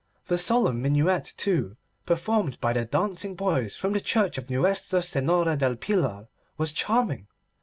The solemn minuet, too, performed by the dancing boys from the church of Nuestra Senora Del Pilar, was charming.